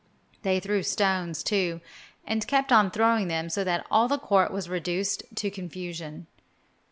They threw stones, too, and kept on throwing them so that all the court was reduced to confusion.